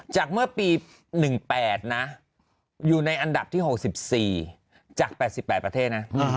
จากเมื่อปี๑๘นะอยู่ในอันดับที่๖๔จาก๘๘ประเทศนะ